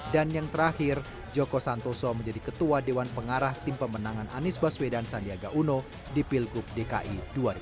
dan yang terakhir joko santoso menjadi ketua dewan pengarah tim pemenangan anies baswedan sandiaga uno di pilkup dki dua ribu tujuh belas